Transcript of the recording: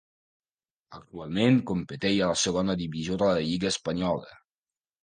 Actualment competeix a la Segona Divisió de la lliga espanyola.